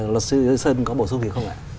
luật sư sơn có bổ sung gì không ạ